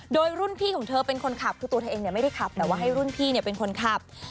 โดยรุ่นพี่ของเธอเป็นคนขับคือตัวเธอเองไม่ได้ขับแต่ว่าให้รุ่นพี่เป็นคนขับ